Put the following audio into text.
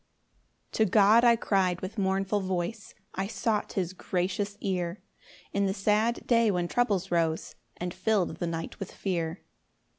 1 To God I cry'd with mournful voice, I sought his gracious ear, In the sad day when troubles rose, And fill'd the night with fear.